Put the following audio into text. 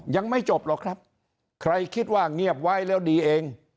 ยังไม่จบหรอกครับใครคิดว่าเงียบไว้แล้วดีเอง